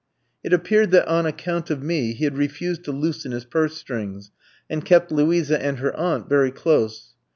It appeared that on account of me he had refused to loosen his purse strings, and kept Luisa and her aunt very close.